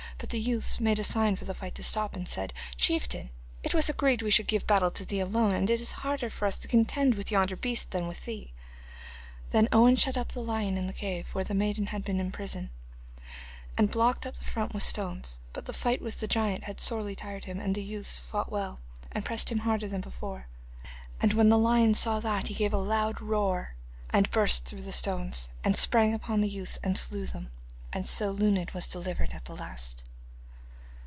But the youths made a sign for the fight to stop, and said: 'Chieftain, it was agreed we should give battle to thee alone, and it is harder for us to contend with yonder beast than with thee.' Then Owen shut up the lion in the cave where the maiden had been in prison, and blocked up the front with stones. But the fight with the giant had sorely tried him, and the youths fought well, and pressed him harder than before. And when the lion saw that he gave a loud roar, and burst through the stones, and sprang upon the youths and slew them. And so Luned was delivered at the last.